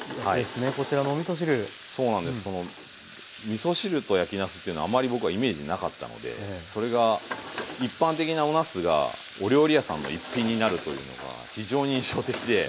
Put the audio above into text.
みそ汁と焼きなすというのはあまり僕はイメージなかったのでそれが一般的なおなすがお料理屋さんの一品になるというのが非常に印象的で。